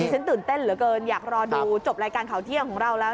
ฉันตื่นเต้นเหลือเกินอยากรอดูจบรายการข่าวเที่ยงของเราแล้ว